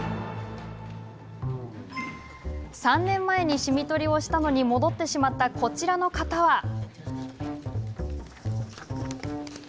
３年前にシミ取りをしたのに戻ってしまったこちらの方は。